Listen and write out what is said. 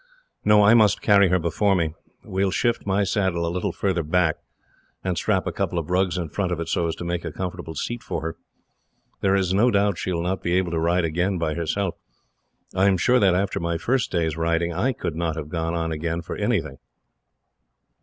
"No, I must carry her before me. We will shift my saddle a little farther back, and strap a couple of rugs in front of it, so as to make a comfortable seat for her. There is no doubt she will not be able to ride again, by herself. I am sure that, after my first day's riding, I could not have gone on again for anything.